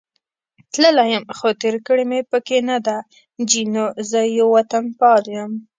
تللی یم، خو تېر کړې مې پکې نه ده، جینو: زه یو وطنپال یم.